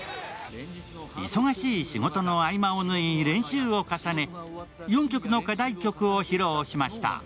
忙しい仕事の合間を縫い練習を重ね４曲の課題曲を披露しました。